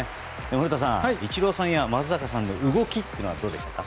古田さん、イチローさんや松坂さんの動きはどうでしたか？